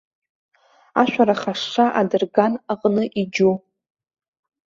Ашәарах ашша адырган аҟны иџьу.